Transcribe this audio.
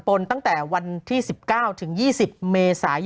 โหยวายโหยวายโหยวายโหยวาย